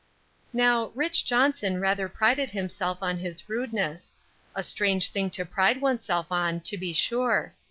"Now, Rich. Johnson rather prided himself on his rudeness; a strange thing to pride one's self on, to be sure.